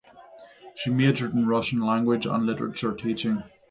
She majored in Russian language and literature teaching.